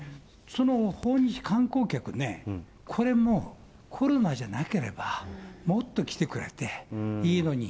その訪日観光客ね、これもコロナじゃなければもっと来てくれていいのに。